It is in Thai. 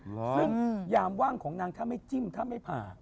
ซึ่งยามว่างของนางถ้าไม่จิ้มถ้าไม่ผ่า